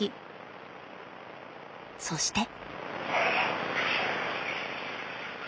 そして。